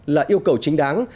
là yêu cầu chính đáng